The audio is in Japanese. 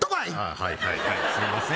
はいはいはいすいません